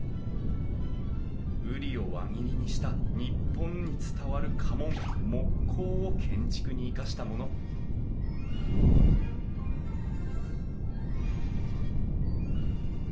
瓜を輪切りにした日本に伝わる家紋木瓜を建築に生かしたものふん。